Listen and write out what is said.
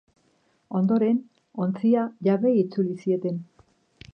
Ondoren, ontzia jabeei itzuli zieten.